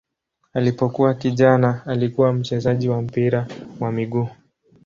Alipokuwa kijana alikuwa mchezaji wa mpira wa miguu.